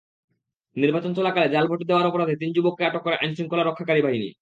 নির্বাচন চলাকালে জাল ভোট দেওয়ার অপরাধে তিন যুবককে আটক করে আইনশৃঙ্খলা রক্ষাকারী বাহিনী।